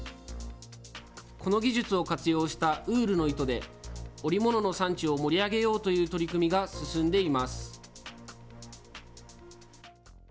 この技術を活用したウールの糸で、織物の産地を盛り上げようという取り組みが進んでいます。